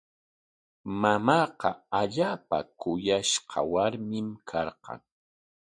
Mamaaqa allaapa kuyashqa warmin karqan.